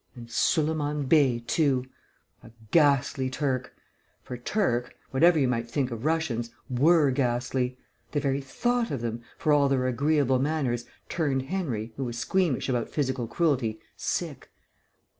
And Suliman Bey too ... a ghastly Turk; for Turk (whatever you might think of Russians) were ghastly; the very thought of them, for all their agreeable manners, turned Henry, who was squeamish about physical cruelty, sick.